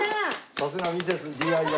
さすがミセスＤＩＹ。